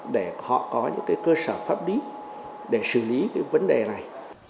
để họ có những cái cơ sở pháp lý để xử lý cái vấn đề này